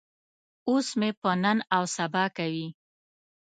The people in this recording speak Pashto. اوس مې په نن او سبا کوي.